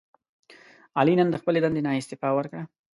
علي نن د خپلې دندې نه استعفا ورکړه.